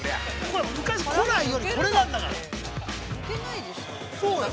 昔、古来よりこれなんだから。